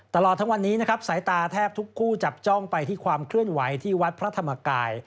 ตลอดทั้งวันนี้นะครับสายตาแทบทุกคู่จับจ้องไปที่ความเคลื่อนไหวที่วัดพระธรรมกาย